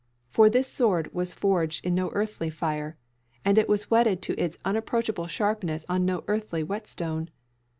For this sword was forged in no earthly fire; and it was whetted to its unapproachable sharpness on no earthly whetstone.